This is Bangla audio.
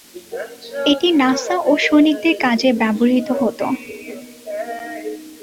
এটি নাসা ও সৈনিকদের কাজে ব্যবহৃত হত।